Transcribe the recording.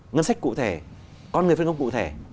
ngân sách cụ thể con người phân công cụ thể